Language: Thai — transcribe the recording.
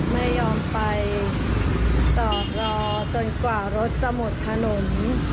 ไม่ยอมไปจอดรอจนกว่ารถจะหมดถนน